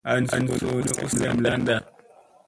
An suu ni u sem landa.